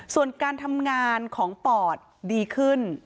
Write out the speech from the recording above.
ส่วนการทำงานของปอดดีขึ้น